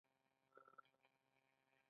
د ګلپي ګل د څه لپاره وکاروم؟